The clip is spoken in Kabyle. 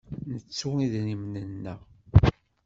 Nettu idrimen-nneɣ?